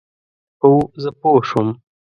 هو، زه پوه شوم،